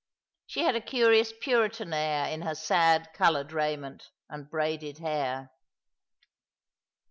She had a curious Puritan air in her sad coloured raiment, and braided hair.